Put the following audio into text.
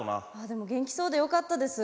でも元気そうでよかったです。